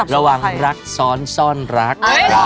ระวังรักซ้อนซ่อนรัก